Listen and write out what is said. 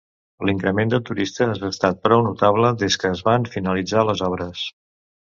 L'increment de turistes ha estat prou notable des que es van anar finalitzant les obres.